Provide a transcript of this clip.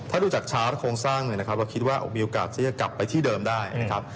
ถ้าดูจากชาร์จโครงสร้างเนี่ยนะครับเราคิดว่ามีโอกาสที่จะกลับไปที่เดิมได้นะครับ